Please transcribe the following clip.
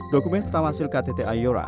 dokumen pertama hasil ktt ayora